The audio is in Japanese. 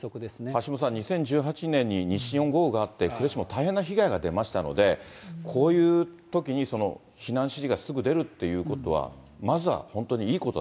橋下さん、２０１８年に西日本豪雨があって、呉市も大変な被害が出ましたので、こういうときに避難指示がすぐ出るということはまずは本当にいい